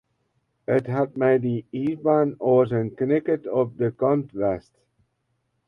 It hat mei dy iisbaan oars in knikkert op de kant west.